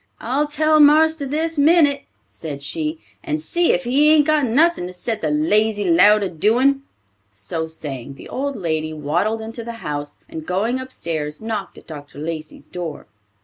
"I'll tell marster this minute," said she, "and see if he hain't got nothin' to set the lazy lout a doin'." So saying, the old lady waddled into the house, and going upstairs, knocked at Dr. Lacey's door.